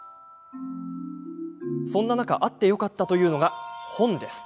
そんな中、あってよかったというのが本です。